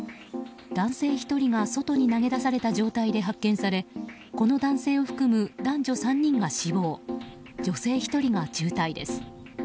男性１人が外に投げ出された状態で発見されこの男性を含む男女３人が死亡女性１人が重体です。